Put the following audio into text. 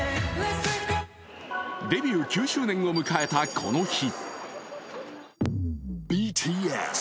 デビュー９周年を迎えたこの日。